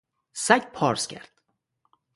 سگ پارس کرد.